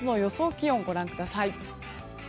気温をご覧ください。